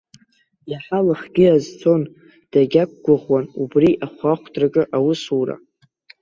Иаҳа лыхгьы азцон, дагьақәгәыӷуан убри, ахәаахәҭраҿы аусура.